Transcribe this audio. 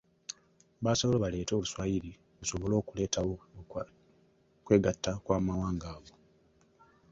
Baasalawo baleete Oluswayiri lusobole okuleetawo okwegatta kw'amawanga ago.